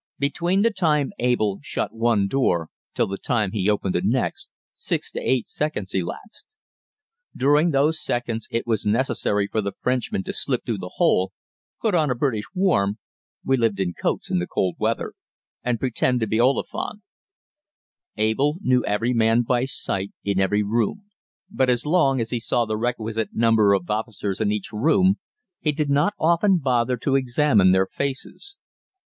Between the time Abel shut one door till the time he opened the next, six to eight seconds elapsed. During those seconds it was necessary for the Frenchman to slip through the hole, put on a British warm (we lived in coats in the cold weather), and pretend to be Oliphant. Abel knew every man by sight in every room; but, as long as he saw the requisite number of officers in each room, he did not often bother to examine their faces.